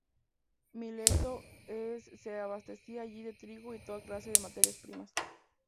Mileto se abastecía allí de trigo y de toda clase de materias primas.